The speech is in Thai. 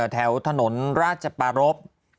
แถวถนนราชปารพ